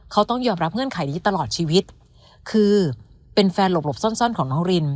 เขาต้องยอมรับเงื่อนไขนี้ตลอดชีวิตคือเป็นแฟนหลบหลบซ่อนซ่อนของน้องริน